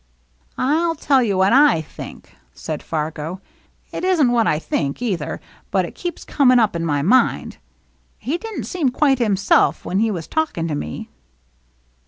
"I'll tell you what I think," said Fargo. " It isn't what I think, either ; but it keeps coming up in my mind. He didn't seem quite himself when he was talking to me."